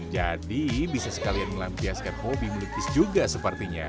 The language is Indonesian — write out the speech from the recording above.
jadi bisa sekalian melampiaskan hobi melukis juga seperti nya